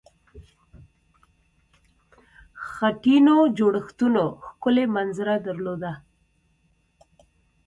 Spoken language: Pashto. خټینو جوړښتونو ښکلې منظره درلوده.